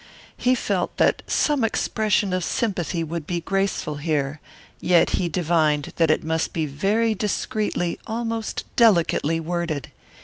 He felt that some expression of sympathy would be graceful here, yet he divined that it must be very discreetly, almost delicately, worded.